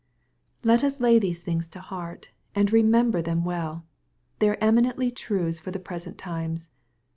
Let us lay these things to heart, and remember them well. They are eminently truths for the present times.